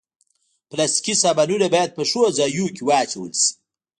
پلاستيکي سامانونه باید په ښو ځایونو کې واچول شي.